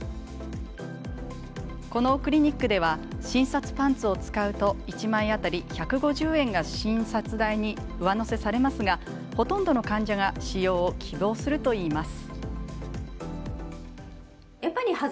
このクリニックでは診察パンツを使うと１枚当たり１５０円が診察代に上乗せされますがほとんどの患者が使用を希望するといいます。